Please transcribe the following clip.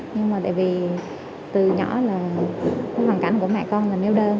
nhưng mà tại vì từ nhỏ là hoàn cảnh của mẹ con là mêu đơm